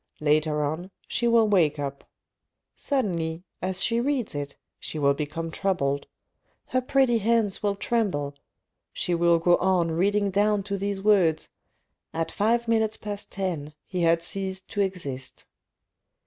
Later on she will wake up ; suddenly, as she reads it she will become troubled ; her pretty hands will tremble ; she will go on reading down to these words : A t five minutes past ten he had ceased to exist.